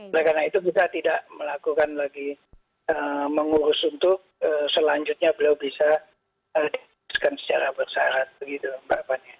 nah karena itu kita tidak melakukan lagi mengurus untuk selanjutnya beliau bisa dibebaskan secara bersahara